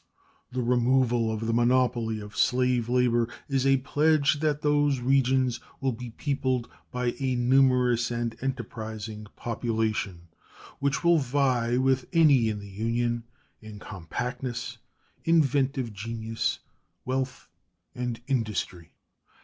The removal of the monopoly of slave labor is a pledge that those regions will be peopled by a numerous and enterprising population, which will vie with any in the Union in compactness, inventive genius, wealth, and industry.